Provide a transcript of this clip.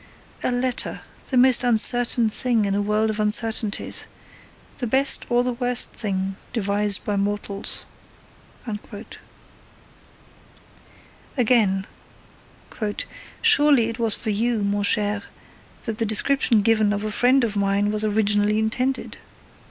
... A letter; the most uncertain thing in a world of uncertainties, the best or the worst thing devised by mortals. Again: Surely it was for you, mon cher, that the description given of a friend of mine was originally intended.